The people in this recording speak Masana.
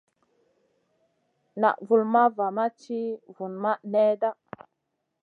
Naʼ vulmaʼ va ma ti vunmaʼ nèhda.